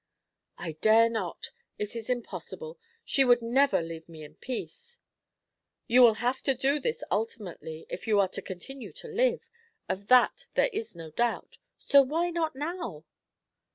"I dare not. It is impossible. She would never leave me in peace." "You will have to do this ultimately, if you are to continue to live. Of that there is no doubt. So why not now?"